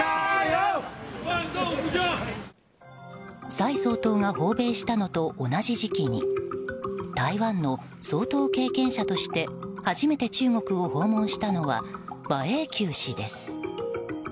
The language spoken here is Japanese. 蔡総統が訪米したのと同じ時期に台湾の総統経験者として初めて中国を訪問したのは馬英九氏です。